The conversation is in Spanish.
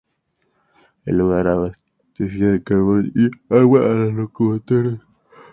El lugar abastecía de carbón y agua a las locomotoras.